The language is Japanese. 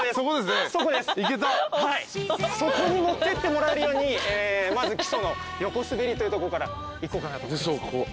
そこに持ってってもらえるようにまず基礎の横滑りというとこからいこうかなと。